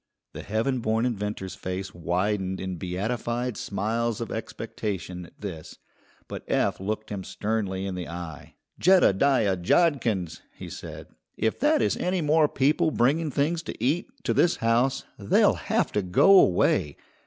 The heaven born inventor's face widened in beatified smiles of expectation at this, but Eph looked him sternly in the eye. "Jeddediah Jodkins!" he said; "if that is any more people bringing things to eat to this house, they'll have to go away.